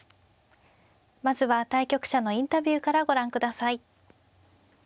まずは対局者のインタビューからご覧ください。